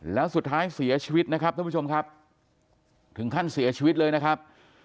แล้วสุดท้ายเสียชีวิตนะครับท่านผู้ชมครับถึงขั้นเสียชีวิตเลยนะครับ